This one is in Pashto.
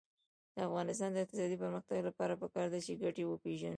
د افغانستان د اقتصادي پرمختګ لپاره پکار ده چې ګټې وپېژنو.